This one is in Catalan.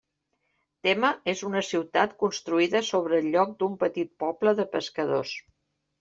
Tema és una ciutat construïda sobre el lloc d'un petit poble de pescadors.